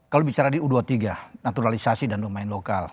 kalau bicara di u dua puluh tiga naturalisasi dan domain lokal